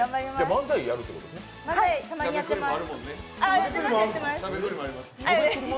漫才、たまにやってます。